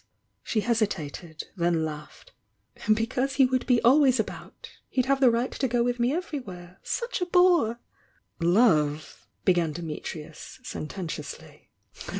"— she hesitated, then lauded— because he would be always about! He'd have the right to go with me everywhere — such a bore!" "p>ve— " began Dimitrius, sententiously.